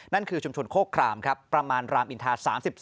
นั่นคือชุมชนโคครามครับประมาณรามอินทา๓๒